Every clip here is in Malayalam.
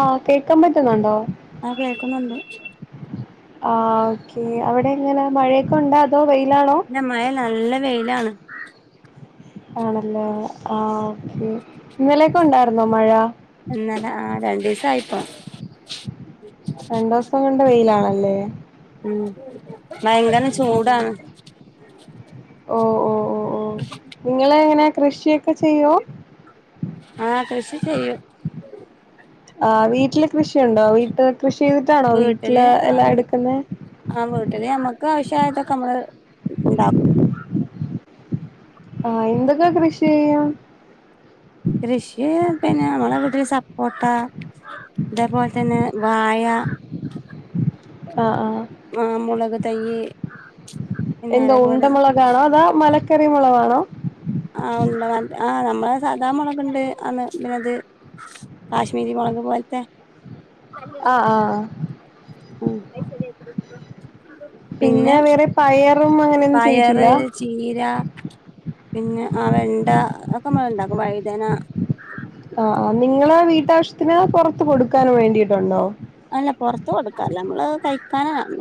ഓ കേക്കാൻ പറ്റുന്നുണ്ടോ ആഹ് കേൾക്കുന്നുണ്ട് ആഹ് ഓക്കേ അവിടെ എങ്ങനെ മഴയൊക്കെ ഉണ്ടാ അതോ വെയിലാണോ ഇല്ല മഴ ഇല്ല നല്ല വെയിലാണ് ആണല്ലേ ആ ഓക്കേ ഇന്നലെയൊക്കെ ഉണ്ടായിരുന്നോ മഴ ഇന്നലെ ആഹ് രണ്ടു ദിവസ ആയിപ്പോ രണ്ടു ദിവസം കൊണ്ട വെയിലാണല്ലേ ഉം ഭയങ്കരചൂടാണ് ഓ ഓ ഓ യെസ് നിങ്ങള് എങ്ങനെ കൃഷിയൊക്കെ ചെയ്യോ ആഹ് കൃഷി ചെയ്യും ആഹ് വീട്ടില് കൃഷിയുണ്ടോ വീട്ട് കൃഷി ചെയ്തിട്ടാണോ വീട്ടില് എല്ലാ എടുക്കുന്നെ ആ വീട്ട്ല് നമ്മക്ക് ആവഷ്യായിട്ടൊക്ക നമ്മള് ഇണ്ടാ ആ എന്തൊക്കെ കൃഷി ചെയ്യാ കൃഷി പിന്നെ നമ്മള വീട്ടില് സപ്പോട്ട അതേപോൽ തന്നെ വഴ ആ ആ ആ മൊളക് തെയ്യ് എന്തോ ഉണ്ട മൊളക് ആണോ അതാ മലക്കറി മൊളകാണോ ആ ഉണ്ട ആ നമ്മളെ സാദാ മൊളക് ഇണ്ട് അന്ന് പിന്നെ ഇത് കാശ്മീരി മൊളക് പോൽത്തെ ആ ആ ഉം [unintelligible] പിന്നെ വേറെ പയറും അങ്ങനെന്നും പയറ് ചെയ്യത്തില്ല ചീര പിന്നെ ആ വെണ്ട ഒക്ക നമ്മള് ഇണ്ടാക്കും വയ്തന ആ ആ നിങ്ങളെ വീട്ടാവശ്യത്തിന് പൊറത്ത് കൊടുക്കാൻ വേണ്ടിട്ടുണ്ടോ അല്ല പൊറ്ത്ത് കൊട്ക്കാല്ല നമ്മളത് കഴിക്കാനാ [unintelligible]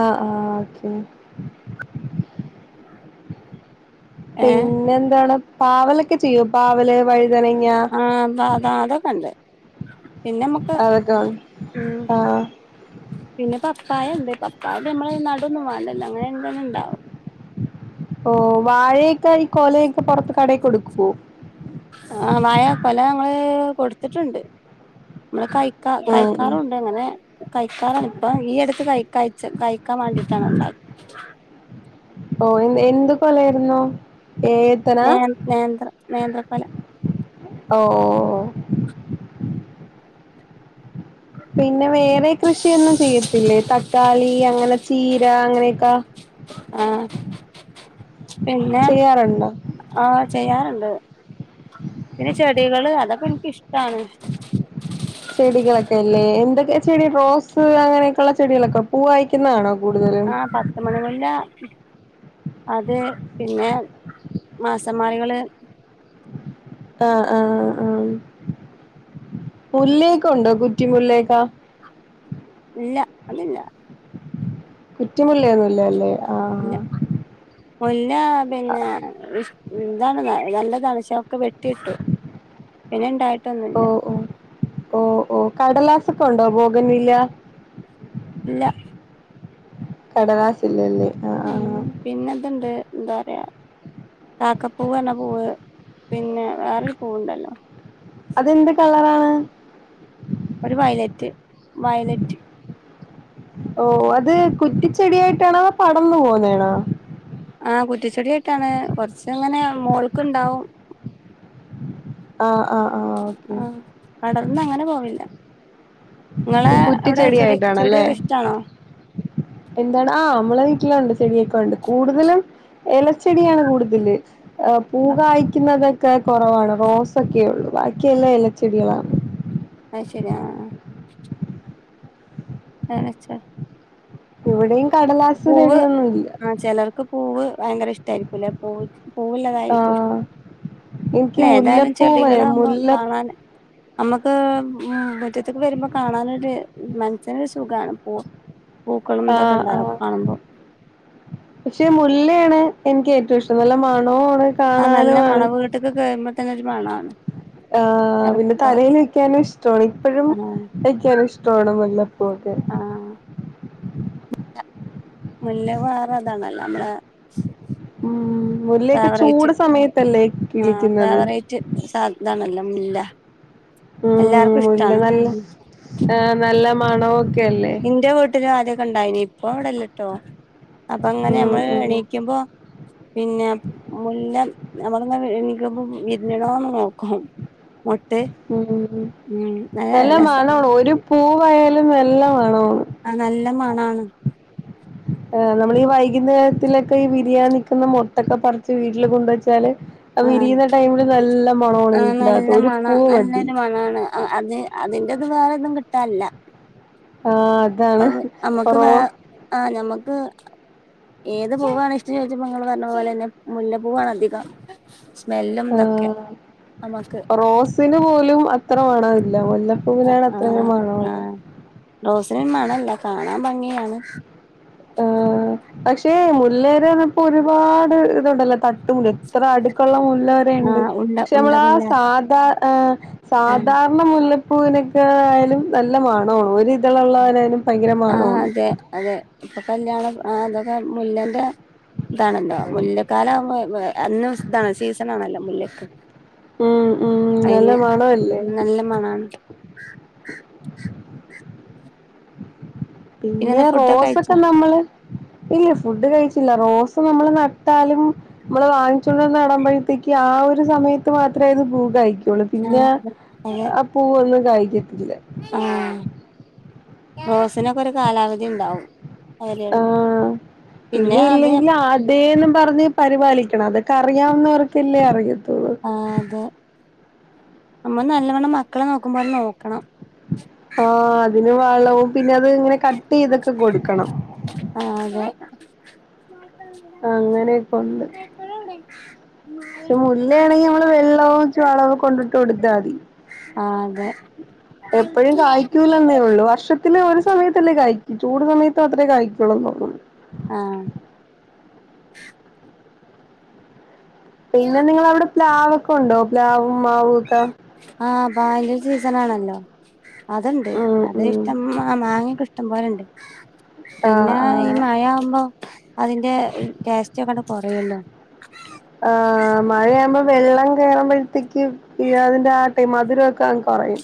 ആ ആ ഓക്കെ ഏ പിന്നെ എന്താണ് പാവലെക്കെ ചെയ്യോ പാവല് വയ് ആ അത അത അതൊക്ക ഇണ്ട് പിന്നെ നമുക്ക് അതൊക്കെ ഉം ആഹ് പിന്നെ പപ്പായ ഇണ്ട് പപ്പായ നമ്മള് നടന്നും വേണ്ടല്ലോ അങ്ങനെ തന്നെ ഇണ്ടാവും ഓ വായെക്ക ഈ കൊലയൊക്ക പൊർത്ത് കടെ കൊട്ക്കൊ ആ വാഴ കൊല ഞമ്മള് കൊട്ത്തിട്ട്ണ്ട് നമ്മള് കഴി ക ഉം ഉം കഴിക്കാറുണ്ട് അങ്ങനെ കഴിക്കാറാണ് ഇപ്പ ഈ അട്ത്ത് കഴി കഴിച്ച് കയിക്കാം വാണ്ടിട്ടാണ് ഉണ്ടാ ഓ എ എന്ത് കൊലെയിര്ന്നു ഏ നേ നേന്ത്ര നേന്ത്ര കൊല ഓ പിന്നെ വേറെ കൃഷിയൊന്നും ചെയ്യത്തില്ലേ തക്കാളി അങ്ങനെ ചീര അങ്ങനെയൊക്ക ആ പിന്നെ ചെയ്യാറുണ്ടോ? ആ ചെയ്യാറ്ണ്ട് പിന്നെ ചെടികള് അതൊക്ക ഇൻക്ക് ഇഷ്ടാണ് ചെടികളക്കല്ലേ എന്തൊക്കെ ചെടി റോസ് അങ്ങനെയൊക്കെള്ള ചെടികളൊക്ക പൂവായിരിക്കുന്നാണോ ആ പ ത്ത് മണി മുല്ല അത് പിന്നെ മാസന്മാറികള് ആ ആ ആ മുല്ലേക്കുണ്ടോ കുറ്റി മുല്ലെക്കാ ഇല്ല അതില്ല കുറ്റി മുല്ലയൊന്നുല്ല ഇല്ല ല്ലെ ഇല്ല മുല്ല പിന്നെ ഇഷ് ഇതാണ് ന നല്ലതാണ് പക്ഷെ ഒക്ക വെട്ടിഴിട്ടു പിന്നെ ഇണ്ടായിട്ടൊന്നുല്ല ഓ ഓ കടലാസൊക്ക ഉണ്ടോ ബോഗയിൻ വില്ല ഇല്ല കടലാസ് ഇല്ലല്ലോ ആ ഉം പിന്നെ ഇത്ണ്ട് ന്താ പറയാ കാക്കപ്പൂവ് പർഞ പൂവ് പിന്നെ വേറൊര് പൂവ്ണ്ടല്ലോ അതെന്ത് കളറാണ് ഒര് വയലറ്റ് വയലറ്റ് ഓഹ് അത് കുറ്റിച്ചെടിയായിട്ടാണാ പടന്നു പോകുന്നേണാ ആഹ് കുറ്റിച്ചെടിയായിട്ടാണ് കൊ റച്ചങ്ങനെ മോൾക്ക്ണ്ടാവും ആഹ് ആഹ് ആഹ് ഓക്കെ പടർന്നങ്ങനെ പോവില്ല നിങ്ങളെ അവിടെ ചെടി ചെടിയൊക്കെ ഇഷ്ടാണോ എന്താടാ ആഹ് നമ്മളെ വീട്ടിലുണ്ട് ചെടിയൊക്കെ ഉണ്ട് കൂടുതലും എലച്ചെടിയാണ് കൂടുതല് പൂ ആ കായ്ക്കുന്നതൊക്കെ കൊ റവാണ് റോസ ഒക്കെള്ളൂ ബാക്കിയെല്ലാ ഇലച്ചെടികളാണ് അത് ശരി ആഹ് [unintelligible] ആഹ് വെച്ചോ ഇവിടെയും കടലാസ് പൂവ് ചെടിയൊന്നും ഇല്ല ആഹ് ചെലർക്ക് പൂവ് ഭയങ്കരഇഷ്ട്ടാ യിരിക്കുംല്ലേ പൂവ് പൂവുള്ള ആ തായിരിക്കും ഇഷ്ടം എനിക്ക് അല്ലേ ഏതായാലും മുല്ലപ്പൂ ചെടികൾ ആകുമ്പോൾ മുല്ല കാണാൻ നമ്മക്ക് ഉം മുറ്റത്തേക്ക് വരുമ്പോ കാണായിട്ട് മനസ്സിനൊരു സുഖാണ് പൂ പൂക്കളും ആ ആ ഇതൊക്കെണ്ടാവും കാണുമ്പോ പക്ഷെ മുല്ലേണ് എനിക്ക് ഏറ്റവും ഇഷ്ടം നല്ല മണോആണ് ആഹ് നല്ല മണംവട്ടൊക്കെ കയറുമ്പോൾ തന്നെ ഒരു മണാണ് ആഹ് പിന്നെ തലയിൽ വെക്കാനും ഇഷ്ട്ടോണ് എപ്പഴും ആഹ് വയ്ക്കാനും ഇഷ് ട്ടോണ് മുല്ലപ്പൂഒക്കെ ആഹ് മുല്ല വേറെ അതാണല്ലോ അമ്മളെ ഉം മുല്ലയൊക്കെ ഫേവറേറ്റ് ചൂട് സമയത്തല്ലേ കിളിക്കുന്നത് [unintelligible] സാധാരണ അല്ല മുല്ല ഉം എല്ലാർക്കും മുല്ല ഇഷ്ടാണ് നല്ല ഉം നല്ല മണോക്കല്ലേ ന്റെ വീട്ടില് ആദ്യൊക്കെ ഉണ്ടായീനി ഇപ്പ ഇവിടെല്ലട്ടോ അപ്പൊ അങ്ങനെ ഉം അമ്മള് ഉം എണീക്കുമ്പോ പിന്നെ മുല്ല നമ്മൾ എണീ ക്കുമ്പോൾ വിരിഞ്ഞുണോന്ന്‌നോക്കും മൊട്ടേ ഉം നല്ല മണാ ഒരു പൂവായാലും നല്ല മണോണ് ആഹ് നല്ല മണാണ് നമ്മളീ വൈകുന്നേരത്തിലൊക്കെ ഈ വിരിയാൻ നിക്കുന്ന മൊട്ടൊ ക്കെ പറിച്ച് വീട്ടില് കൊണ്ടുവെച്ചാല് അത് ആ വിരിയുന്ന ടൈമില് നല്ല മണോണ് വീട്ടിന്റെഅകത്ത് ഒരു പൂവ് മതി അതാണ് ആഹ് അത് അതിന്റെത് വേറൊന്നും കിട്ടാനില്ല ആഹ് അതാണ് കൊറോ ആഹ് നമുക്ക് ഏത് പൂവാണ് ഇഷ്ടംന്ന്‌ ചോദിച്ചപ്പൊ നിങ്ങള് പറഞ്ഞതു പോലെ തന്നെ മുല്ല പൂവാണ് അധികം സ്മെല്ലുംതൊക്കെ നമ്മക്ക് [unintelligible] പിച്ചീന് പോലും അത്ര മണ ഇല്ല ആ മുല്ലപ്പൂവിനാണ് ആ അത്രേം ആ മണള്ളത് റോസിന് മണം ഇല്ല കാണാൻ ഭംഗിയാണ് ആഹ് പക്ഷേ മുല്ലേരന്നപ്പോ ഒരുപാട് ഇത്ണ്ടല്ലോ തട്ട്മുല്ല എത്ര അടുക്കുള്ള മുല്ല ആ ണ്ട് ഉണ്ട പക്ഷെ നമ്മള ആഹ് ഉണ്ടമുല്ല സാധാ ഏഹ് ആ സാധാരണ മുല്ലപ്പൂവിനൊക്കെ ആയാലും നല്ല മണം ആണ് ഒരി ഇള്ളാരേലും ആഹ് ഭയങ്കരമാണോന്ന് അതെ അതെ ഇപ്പൊ കല്യാണം അതൊക്കെ മുല്ലേന്റെ ഇതാണല്ലോ മുല്ലക്കാലം ആവുമ്പോ എന്നും ഇതാണ് സീസണാണല്ലൊ മുല്ലക്ക് ഉം ഉം നല്ല അയിന് മണവല്ലേ നല്ല മണാണ് പിന്നെ പിന്നെന്താ ഫുഡൊക്കെ റോസൊക്ക കഴിച്ചോ നമ്മള് ഇല്ല ഫുഡ് കഴിച്ചില്ല റോസ് നമ്മള് നട്ടാലും നമ്മള് വാങ്ങിച്ചോണ്ടന്ന് നടമ്പഴത്തേക്ക് ആഹ് ഒരു സമയത്ത് മാത്രെ അത് പൂ കായ്ക്കു പിന്നെ ആഹ് അതെ അതെ ആഹ് പൂവൊന്നും കാഴ്ക്കത്തില്ല ആഹ് റോസിനൊകൊരു കാലാവധി ഇണ്ടാവും ആഹ് പിന്നെ ഇല്ലെങ്കില് ആദ് തേന്ന് പറഞ്ഞ് പരിപാലിക്കണം അതൊക്കെ അറിയാവുന്നവർക്കല്ലേ അറിയത്തുള്ളു ആഹ് അതെ നമ്മള് നല്ലവണ്ണം മക്കളെ നോക്കുമ്പോലെ നോക്കണം ആഹ് അതിന് വളവും പിന്നെ അത് ഇങ്ങനെ കട്ടീതൊക്ക കൊട്ക്കണം ആഹ് അതെ അങ്ങനെയൊക്കെ ചു മുല്ലയാണെങ്കി നമ്മള് വെള്ളവും ചുവളവൊ കൊണ്ടിട്ട് കൊട്ത്താതി ആഹ് അതെ ത്തില് ഒരു സമയത്തല്ലെ കാഴ്കു ചൂട് സമയത്ത് അത്രെ കാഴ്കൊള്ളെന്ന് തോന്നുന്നു ആഹ് പിന്നെ നിങ്ങള അവടെ പ്ലാവൊക്കൊണ്ടൊ പ്ലാവും മാവു ഒക്ക ആഹ് ബായലൽ സീസണാണല്ലൊ അത്ണ്ട് ഉം അത് ഉം ഇഷ്ടംമ്മ ആഹ് മാങ്ങെക്ക ഇഷ്ടം പോലണ്ട് പിന്ന ആഹ് ഈ ആഹ് മഴ ആവുമ്പൊ അതിന്റെ ടേസ്റ്റൊക്കണ്ട് കൊറയൊല്ലൊ ആഹ് മഴയാവ്മ്പൊ വെള്ളം കേറുമ്പഴത്തെക്ക് ഈ അതിന്റെ ആട്ടയും മധുരവൊക്കങ്ങ് കൊറയും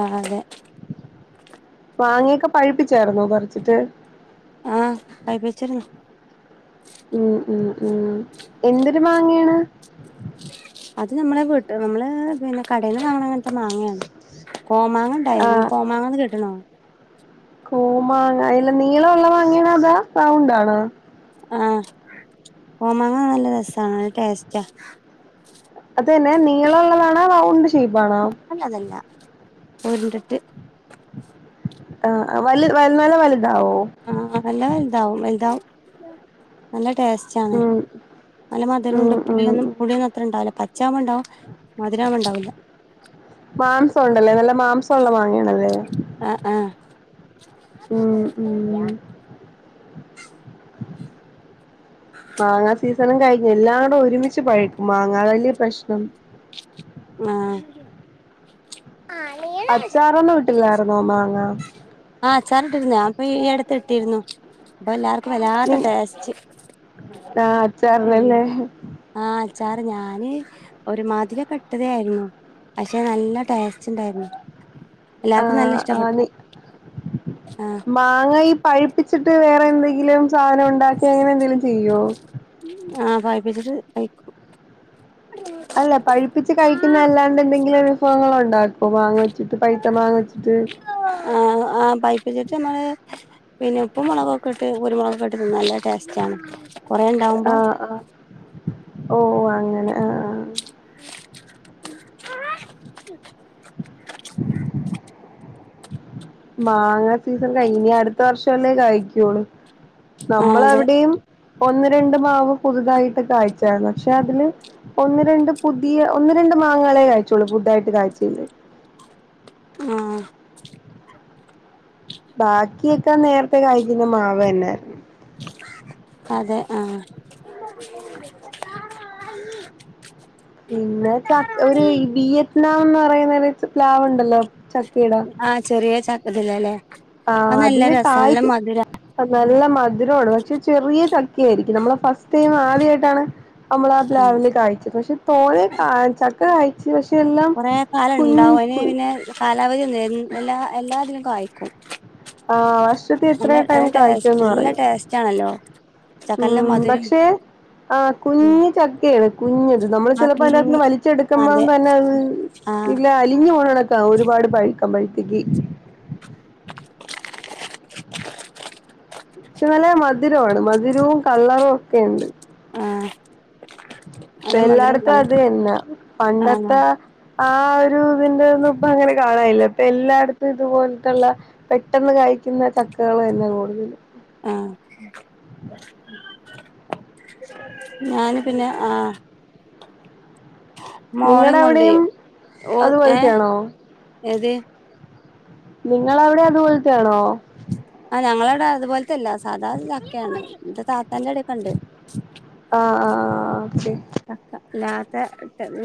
ആഹ് അതെ മാങ്ങയൊക്കെ പഴ്പ്പിച്ചായിര്ന്നൊ പറ്ച്ചിട്ട് ആഹ് പഴ്പ്പിച്ചിരുന്നു ഉം ഉം ഉം എന്തെര് മാങ്ങേണ് അത് നമ്മളെ വീട്ട് നമ്മള് പിന്ന കടയിന്ന് വാങ്ങ്ണ അങ്ങൻ ത്ത മാങ്ങ്യാണ് കോമാങ്ങ ഇണ്ടായ്നു കോമാങ്ങാന്ന് കേട്ട്ണോ കോമാങ്ങ അല്ല നീളവുള്ള മാങ്ങ്യാണൊ അതോ റൗണ്ടാണൊ ആഹ് കോമാങ്ങ നല്ല രസാണ് നല്ല ടേസ്റ്റ അതെന്നെ നീള ഉള്ളതാണൊ റൗണ്ട് ഷീപ്പാണൊ അല്ല അതല്ല ഉര്ണ്ട്ട്ട് ആഹ് വൽ നല്ല വല്താവോ ആഹ് നല്ല വല്താവും വല്താവും നല്ല ടേസ്- ചാണ് ഉം നല്ല മധുരൊണ്ട് ഉം ഉം പുളിയൊന്നും ഉം. പുളിയൊന്നും അത്ര ഇണ്ടാവില്ല പ ച്ചാവുമ്പണ്ടാവും മധുരാവുമ്പ ഇണ്ടാവൂല മാംസം ഉണ്ടല്ലെ നല്ല മാംസ ഉള്ള മാങ്ങയാണല്ലെ ആഹ് ആഹ് ഉം ഉം മാങ്ങാ സീസണും കഴിഞ്ഞ് എല്ലാടൊ ഒരുമിച്ച് പഴ്ക്കും മാങ്ങ വല്യ പ്രശ്നം ആഹ് [unintelligible] അച്ചാറൊന്നും ഇട്ടില്ലാറുന്നൊ മാങ്ങ ആഹ് അച്ചാറിട്ടിരുന്നു ഞാ ഇപ്പ ഈ അട്ത്ത് ഇട്ടിരുന്നു ഇബ എല്ലാർക്കും നി വല്ലാത്ത ടേസ്റ്റ് ആഹ് ഉം അച്ചാറിനല്ലേ ആഹ് അച്ചാറ് ഞാന് ഒരു മാതിരി ഒക്കെട്ടതായിരുന്നു. പക്ഷെ നല്ല ടേസ്റ്റ് ഇണ്ടായിരുന്നു എല്ലാർക്കും നല്ല ആഹ് ഇഷ്ടപ്പെട്ട്. ആഹ് മാങ്ങാ ഈ പഴിപ്പിച്ചിട്ട് വേറെ എന്തെങ്കിലും സാധനം ഉണ്ടാക്കി അങ്ങനെ എന്തെങ്കിലും ചെയ്യോ? ആഹ് പഴിപ്പിച്ചിട്ട് കഴിക്കും. അല്ല പഴിപ്പിച്ച് കഴിക്കുന്ന അല്ലാണ്ട് എന്തെങ്കിലും വിഭവങ്ങള് ഉണ്ടാ പ്പൊ മാങ്ങ വെച്ചിട്ട് പഴ്ത്ത മാങ്ങ വെച്ചിട്ട്. ആ ആഹ് പഴിപ്പിച്ചിട്ട് നമ്മള്. പിന്നെ ഉപ്പും മുളകൊക്കെ ഇട്ട് കുരുമുളകൊക്കെ ഇട്ട് തിന്ന നല്ല ടേസ്റ്റ് ആണ്. കൊറേ ഉണ്ടാവുമ്പോ ആഹ് ആഹ് ഓ അങ്ങനെ ആഹ് ആഹ് മാങ്ങ സീസൺ കഴിഞ്ഞ് ഇനി അടുത്ത വർഷല്ലേ കായ്ക്കൊള്ളൂ. ആഹ് നമ്മളെ അതെ അവിടെയും ഒന്ന് രണ്ട് മാവ് പുതുതായിട്ട് കായ്ചായിരുന്നു. പക്ഷെ അതില് ഒന്ന് രണ്ട് പുതിയ ഒന്ന് രണ്ട് മാങ്ങകളെ കായ്ച്ചൊള്ളൂ പുതുതായിട്ട് കായ്ച്ചേല്. ആഹ് ബാക്കിയൊക്കെ നേരത്തെ കായ്ക്കുന്ന മാവെന്നെ ആയിരിന്നു. അതെ ആഹ് പിന്നെ ച ഒര് വിയറ്റ്നാം എന്ന് പറയുന്ന പ്ലാവ് ഉണ്ടല്ലോ ചക്കേടെ ആഹ് ചെറിയ ച ഇതില് അല്ലേ ആഹ് അതില് കായ്ക്കും. നല്ല മധുരമാണ് പക്ഷെ ചെറിയ ചക്ക ആയിരിക്കും നമ്മള് ഫസ്റ്റ് ടൈം ആദ്യമായിട്ടാണ്. അമ്മളാ ആഹ് പ്ലാവില് കഴിച്ചത് പക്ഷെ തോനിം കായ്ച്ചാ ക്കെ കായ്ച്ച് പക്ഷെ എല്ലാം കൊറേ കാലം കുഞ്ഞി ഉണ്ടാവും അതിന് കു പിന്നെ കാലാവധി ഒന്നുല്ല എല്ലാ എല്ലാതിനും കായ്ക്കും. ആഹ് വർഷത്തി നല്ല ഇത്ര ടൈം നല്ല കായ്ക്കും ടേസ്റ്റ് ന്ന് നല്ല പറയും. ടേസ്റ്റ് ആണല്ലോ ചക്കന്റെ ഉം മധുരം പക്ഷെ ആ ഉം കുഞ്ഞ് ചക്കെയാണ്. കുഞ്ഞത് നമ്മള് ചെലപ്പോ അപ്പം അതിറ്റകത്ത്ന്ന് അതെ വലിച്ചെടുക്കുമ്പം തന്നെ അത് ആഹ് ഇല്ല അലിഞ്ഞു പോണെ ക്കാ ഒരുപാട് പഴ്ക്കും പോഴ്ത്തൊക്ക്. ക്ഷേ നല്ലെ മ മധുരമാണ് മധുരവും കളറും ഒക്കെണ്ട്. ആഹ് പ്പ നല്ല മധുരം എല്ലായിടത്തും കള അത് എന്നെ പണ്ടത്തെ ആഹ് ആ ഒരു ഇതിന്റെ ഒന്നും ഇപ്പ അങ്ങനെ കാണായില്ല ഇപ്പൊ എല്ലായിടത്തും ഇതുപോലത്തുള്ള പെട്ടെന്ന് കായ്ക്കുന്ന ചക്കകള് തന്നെ കൂടുതലും. ആഹ് [inaudible] ഞാന് പിന്നെ ആഹ് മോളിം നിങ്ങടെ കൊണ്ടേ അവിടെയും ഓ ഏഹ് അതുപോലത്തെയാണോ ഏത് നിങ്ങളെ അവിടെ അതുപോൽത്തേ ആണോ ആഹ് ഞങ്ങളെ അവിടെ അതുപോലെത്തെല്ല സാധാ ചക്കെയാണ് ഇന്റെ താത്താന്റോടെ ഒക്കെ ഇണ്ട്. ആഹ് ആഹ് ഓക്കെ ശരി ചക്ക അല്ലാതെ ഇട്ട് ഉം